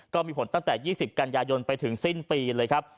ก็มีผลตั้งแต่๒๐กันยายนไปถึงสิ้นปีเลยครับ